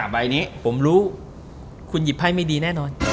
ใบนี้ผมรู้คุณหยิบไพ่ไม่ดีแน่นอน